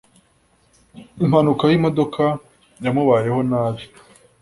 Impanuka yimodoka yamubayeho nabi.